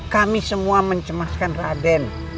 kami semua mencemaskan raden